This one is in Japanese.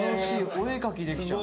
お絵描きできちゃう。